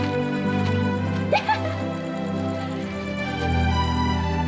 iya yang ini mbak